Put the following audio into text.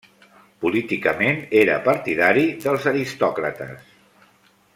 Políticament era partidari dels aristòcrates.